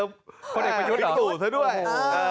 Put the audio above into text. พิธุเธอด้วย